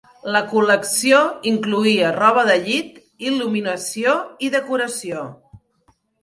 La col·lecció incloïa roba de llit, il·luminació i decoració.